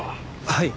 はい。